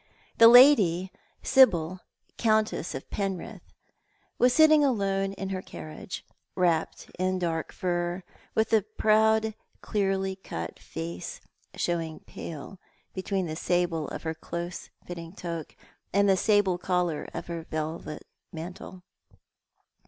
The lady— Sibyl, Countess of Penrith— was sitting alone in her carriage, wrapped in dark fur, with a proud, clearly cut face showing pale between the sable of her close fitting toque and the sable collar of her long velvet mantle.